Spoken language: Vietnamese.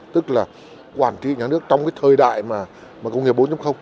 tức là quản trị nhà nước trong thời đại công nghệ bốn